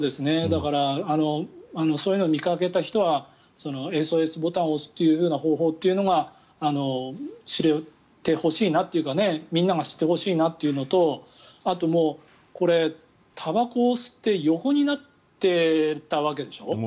だからそういうのを見かけた人はＳＯＳボタンを押すという方法を知れてほしいなというかみんなが知ってほしいなというのとあとこれ、たばこを吸って横になってたわけでしょ。